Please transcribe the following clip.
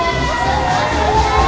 ya gue seneng